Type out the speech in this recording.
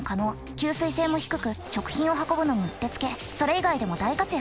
吸水性も低く食品を運ぶのにうってつけそれ以外でも大活躍。